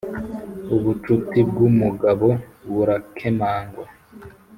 ubucuti bwumugabo burakemangwa